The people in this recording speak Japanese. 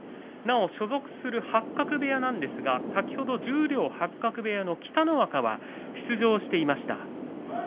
所属する八角部屋なんですが先ほど十両、八角部屋の北の若は出場していました。